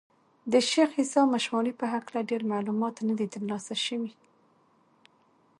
د شېخ عیسي مشواڼي په هکله ډېر معلومات نه دي تر لاسه سوي دي.